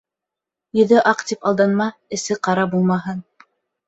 Йөҙө аҡ тип алданма, эсе ҡара булмаһын.